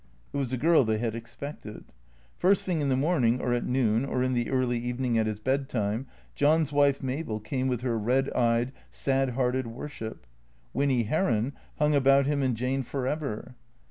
(It was a girl they had ex pected.) First thing in the morning, or at noon, or in the early evening at his bed time, John's wife, Mabel, came with her red eyed, sad hearted worship. Winny Heron hung about him and Jane for ever.